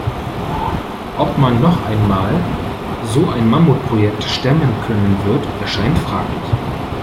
Ob man noch einmal so ein Mammutprojekt stemmen können wird, erscheint fraglich.